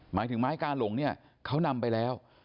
หมายถึงไม้กาหลงเนี่ยเขานำไปแล้ว